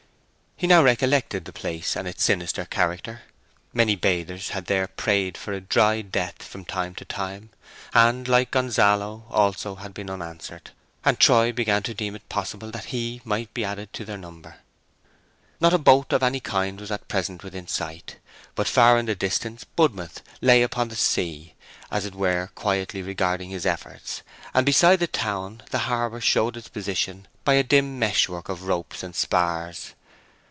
He now recollected the place and its sinister character. Many bathers had there prayed for a dry death from time to time, and, like Gonzalo also, had been unanswered; and Troy began to deem it possible that he might be added to their number. Not a boat of any kind was at present within sight, but far in the distance Budmouth lay upon the sea, as it were quietly regarding his efforts, and beside the town the harbour showed its position by a dim meshwork of ropes and spars.